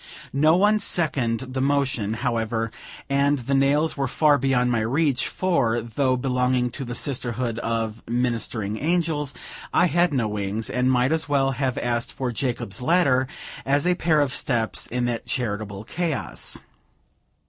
No one seconded the motion, however, and the nails were far beyond my reach; for, though belonging to the sisterhood of "ministering angels," I had no wings, and might as well have asked for Jacob's ladder, as a pair of steps, in that charitable chaos.